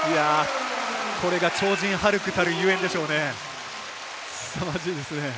これが超人ハルクたるゆえんでしょうね。